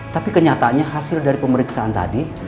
tapi kenyataannya hasil dari pemeriksaan tadi